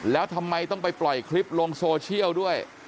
แล้วทำไมต้องไปปล่อยคลิปลงโซเชียลด้วย